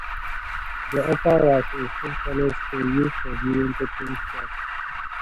The upper was a full-color screen used for viewing taken shots.